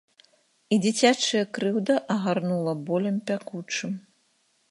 І дзіцячая крыўда агарнула болем пякучым.